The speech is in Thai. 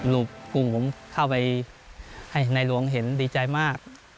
รูปกลุ่มผมเข้าไปให้ในหลวงเห็นดีใจมาก